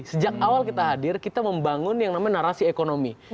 sejak awal kita hadir kita membangun yang namanya narasi ekonomi